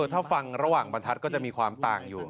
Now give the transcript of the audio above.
ถ้าฟังระหว่างบรรทัศน์ก็จะมีความต่างอยู่